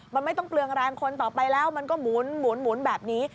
มันไม่ต้องเปลืองแรงคนต่อไปแล้วมันก็หมุนแบบนี้